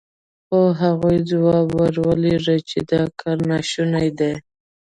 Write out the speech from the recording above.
خو هغوی ځواب ور ولېږه چې دا کار ناشونی دی.